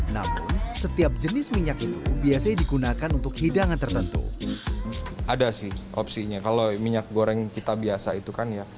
namun setiap jenis minyak itu biasanya digunakan untuk hidangan tertentu